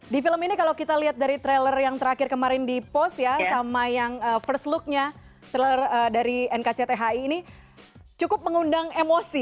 di film ini kalau kita lihat dari trailer yang terakhir kemarin di post ya sama yang first looknya trailer dari nkcthi ini cukup mengundang emosi